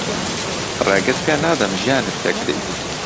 ڕێگەت پێ نادەم ژیانت تێک بدەیت.